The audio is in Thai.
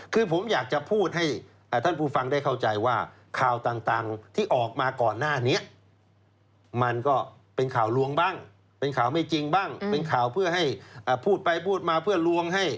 คือผมอยากจะพูดให้ท่านผู้ฟังได้เข้าใจว่าข่าวต่างที่ออกมาก่อนหน้านี้มันก็เป็นข่าวลวงบ้างเป็นข่าวไม่จริงบ้างเป็นข่าวเพื่อให้พูดไปพูดมาเพื่อลวงให้